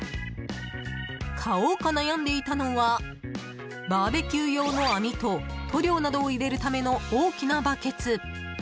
買おうか悩んでいたのはバーベキュー用の網と塗料などを入れるための大きなバケツ。